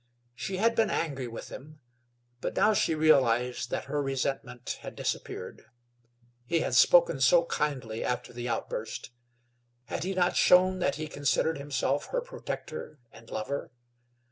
She had been angry with him; but now she realized that her resentment had disappeared. He had spoken so kindly after the outburst. Had he not shown that he considered himself her protector and lover?